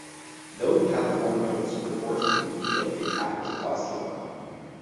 Though the Californios were forced from the field the attack was a costly one.